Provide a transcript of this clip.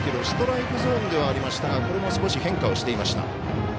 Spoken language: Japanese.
ストライクゾーンではありましたが、これも少し変化していました。